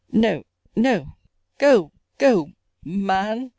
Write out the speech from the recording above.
No no go, go, MAN!